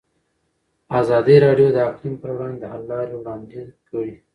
ازادي راډیو د اقلیم پر وړاندې د حل لارې وړاندې کړي.